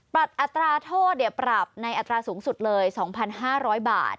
อัตราโทษปรับในอัตราสูงสุดเลย๒๕๐๐บาท